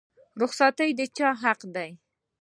رخصتي د چا حق دی؟